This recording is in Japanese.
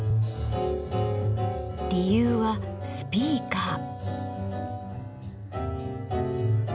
理由はスピーカー。